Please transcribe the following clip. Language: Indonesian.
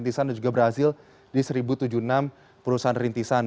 dan juga brazil di seribu tujuh puluh enam perusahaan renitisan